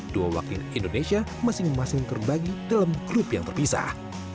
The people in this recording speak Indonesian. dua wakil indonesia masing masing terbagi dalam grup yang terpisah